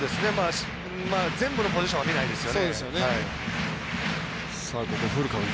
全部のポジションは見ないですよね。